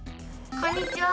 こんにちは！